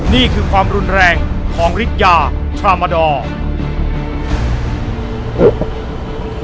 นี่คือความรุนแรงของฤทยาทรามาดอร์